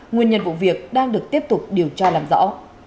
nguyên nhân vụ việc đang được tiếp tục điều tra làm rõ